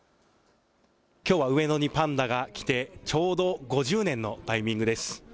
きょうは上野にパンダが来てちょうど５０年のタイミングです。